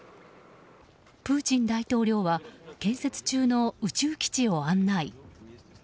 プーチン大統領は建設中の宇宙基地を案内。